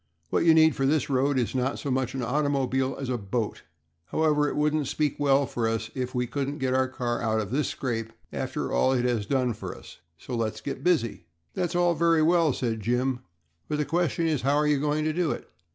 What you need for this road is not so much an automobile as a boat. However, it wouldn't speak well for us if we couldn't get our car out of this scrape after all it has done for us, so let's get busy." "That's all very well," said Jim, "but the question is, how are you going to do it?